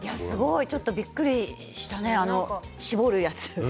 ちょっとびっくりしたね絞るやつ。